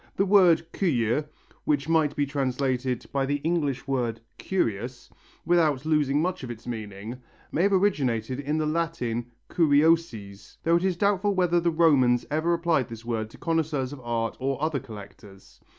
The word curieux, which might be translated by the English word "curious," without losing much of its meaning, may have originated in the Latin curiosis, though it is doubtful whether the Romans ever applied this word to connoisseurs of art or other collectors.